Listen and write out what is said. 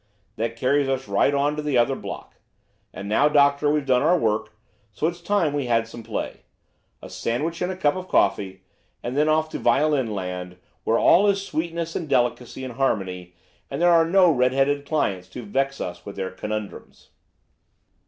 That carries us right on to the other block. And now, Doctor, we've done our work, so it's time we had some play. A sandwich and a cup of coffee, and then off to violin land, where all is sweetness and delicacy and harmony, and there are no red headed clients to vex us with their conundrums."